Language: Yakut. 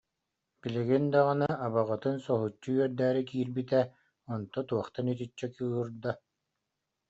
Билигин даҕаны абаҕатын соһуччу үөрдээри киирбитэ, онто туохтан итиччэ кыыһырда